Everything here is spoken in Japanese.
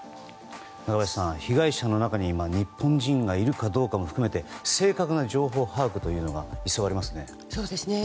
中林さん、被害者の中に日本人がいるかどうかも含めて正確な情報把握が急がれますね。